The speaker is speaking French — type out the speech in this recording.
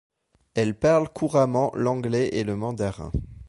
Elle parle couramment l'anglais et le mandarin.